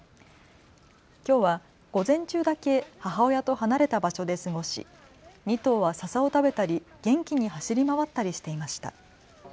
きょうは午前中だけ母親と離れた場所で過ごし２頭はささを食べたり元気に走り回ったりしていました。